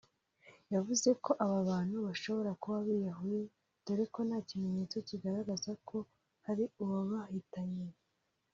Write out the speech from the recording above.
yavuze ko aba bantu bashobora kuba biyahuye dore ko nta kimenyetso kigaragaza ko hari uwabahitanye